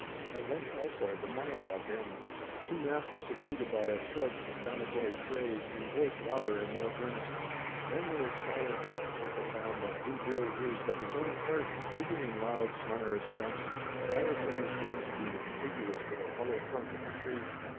At length, also, the monologue ends; soon after, succeeded by a short exclamatory phrase, in voice louder and more earnest. Then there is silence; so profound, that Blue Bill hears but his own heart, beating in loud sonorous thumps louder from his ribs being contiguous to the hollow trunk of the tree.